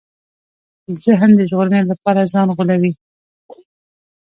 ذهن د ژغورنې لپاره ځان غولوي.